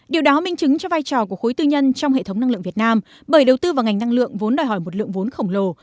điều đó minh chứng cho vai trò của khối tư nhân trong hệ thống năng lượng việt nam bởi đầu tư vào ngành năng lượng vốn đòi hỏi một lượng vốn khổng lồ